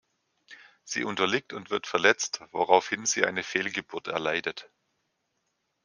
Sie unterliegt und wird verletzt, woraufhin sie eine Fehlgeburt erleidet.